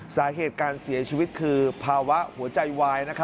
สาเหตุการเสียชีวิตคือภาวะหัวใจวาย